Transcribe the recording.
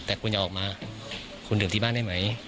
แต่คุณจะออกมาคุณดื่มที่บ้านได้ไหม